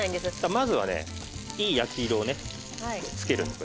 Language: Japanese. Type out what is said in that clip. まずはねいい焼き色をねつけるんです。